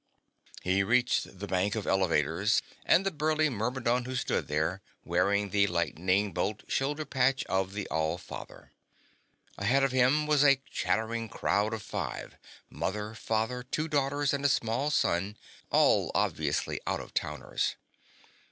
He reached the bank of elevators, and the burly Myrmidon who stood there, wearing the lightning bolt shoulder patch of the All Father. Ahead of him was a chattering crowd of five: mother, father, two daughters and a small son, all obviously out of towners.